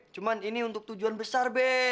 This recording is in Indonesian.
cuma ini untuk tujuan besar be